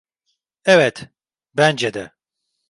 Evet, bence de.